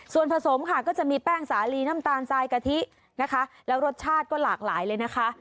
ส่วนผสมค่ะก็จะมีแป้งสาลีน้ำตาลทรายกะทินะคะแล้วรสชาติก็หลากหลายเลยนะคะ